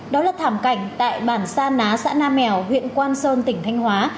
đó là thảm cảnh tại bản sa ná xã nam mèo huyện quang sơn tỉnh thanh hóa